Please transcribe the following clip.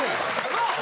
なあ！